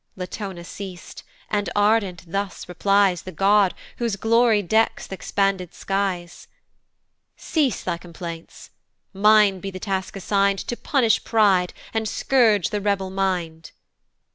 Latona ceas'd, and ardent thus replies The God, whose glory decks th' expanded skies. "Cease thy complaints, mine be the task assign'd "To punish pride, and scourge the rebel mind."